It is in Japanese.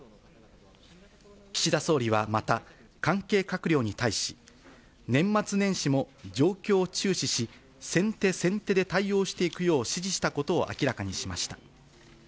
岸田総理はまた、関係閣僚に対し、年末年始も状況を注視し、先手先手で対応していくよう指示したことを明らかにしました。